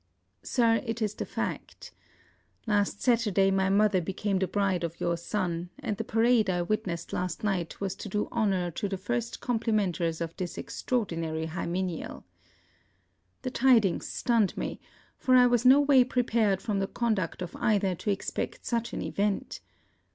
Sir, it is the fact. Last Saturday, my mother became the bride of your son; and the parade I witnessed last night was to do honour to the first complimentors of this extraordinary hymeneal. The tidings stunned me, for I was no way prepared from the conduct of either to expect such an event.